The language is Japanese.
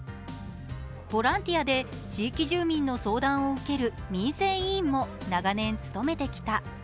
ボランティアで地域住民の相談を受ける民生委員も長年、務めてきた。